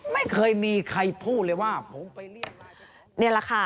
ไม่เคยมีใครพูดเลยว่าผมไปเรียกมา